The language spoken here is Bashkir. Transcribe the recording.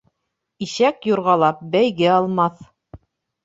Ишәк, юрғалап, бәйге алмаҫ.